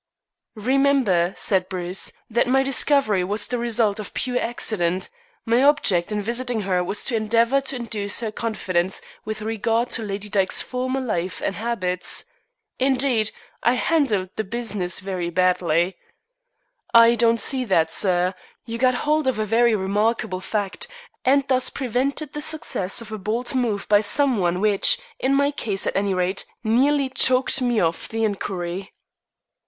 "Remember," said Bruce, "that my discovery was the result of pure accident. My object in visiting her was to endeavor to induce her confidence with regard to Lady Dyke's former life and habits. Indeed, I handled the business very badly." "I don't see that, sir. You got hold of a very remarkable fact, and thus prevented the success of a bold move by some one which, in my case at any rate, nearly choked me off the inquiry."